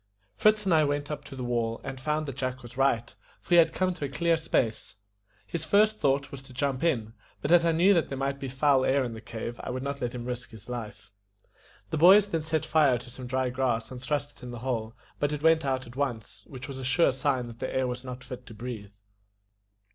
Fritz and I went up to the wall and found that Jack was right, for he had come to a clear space. His first thought was to jump in; but as I knew that there might be foul air in the cave, I would not let him risk his life. The boys then set fire to some dry grass, and thrust it in the hole, but it went out at once, which was a sure sign that the air was not fit to breathe.